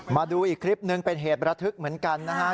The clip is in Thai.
มาดูอีกคลิปหนึ่งเป็นเหตุระทึกเหมือนกันนะฮะ